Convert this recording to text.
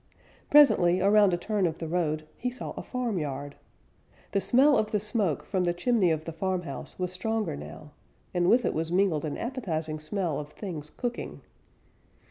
Presently around a turn of the road he saw a farmyard. The smell of the smoke from the chimney of the farmhouse was stronger now, and with it was mingled an appetizing smell of things cooking.